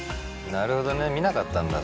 なるほどね見なかったんだ